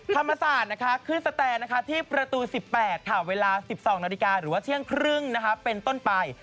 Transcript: ธรรมศาสตร์ขึ้นสแตนที่ประตู๑๘เวลา๑๒นาฬิกาหรือว่าเที่ยงครึ่งเป็นต้นไป